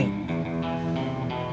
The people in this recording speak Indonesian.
ini soal harga diri